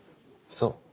そう。